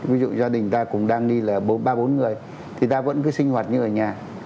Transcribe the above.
ví dụ gia đình ta cũng đang đi là ba bốn người thì ta vẫn cứ sinh hoạt như ở nhà